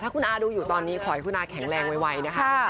คุณอาดูอยู่ตอนนี้ขอให้คุณอาแข็งแรงไวนะคะ